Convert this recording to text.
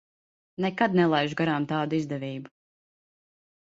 Nekad nelaižu garām tādu izdevību.